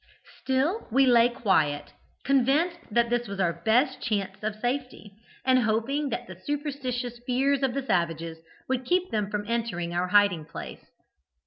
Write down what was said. Still we lay quite quiet, convinced that this was our best chance of safety, and hoping that the superstitious fears of the savages would keep them from entering our hiding place.